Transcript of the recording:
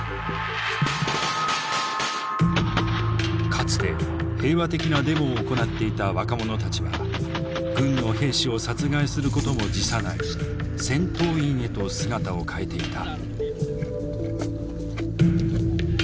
かつて平和的なデモを行っていた若者たちは軍の兵士を殺害することも辞さない戦闘員へと姿を変えていた。